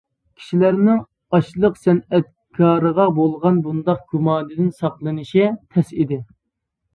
كىشىلەرنىڭ ئاچلىق سەنئەتكارىغا بولغان بۇنداق گۇماندىن ساقلىنىشى تەس ئىدى.